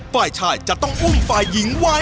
ฝ่ายชายจะต้องอุ้มฝ่ายหญิงไว้